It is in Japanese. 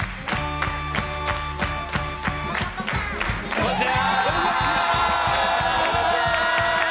こんにちは！